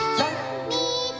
「みて」